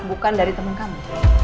bukan dari temen kamu